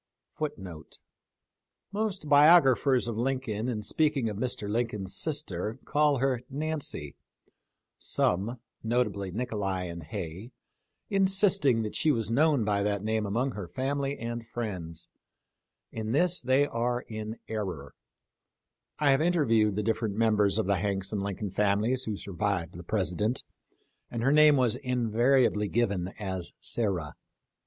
After Mr. Lincoln f had attained some prominence * Most biographers of Lincoln, in speaking of Mr. Lincoln's sister, call her Nancy, some — notably Nicolay and Hay — insisting that she was known by that name among her family and friends. In this they are in error. I have interviewed the different members of the Hanks and Lincoln families who survived the President, and her name was invariably given as Sarah.